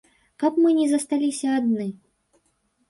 Каб мы не засталіся адны.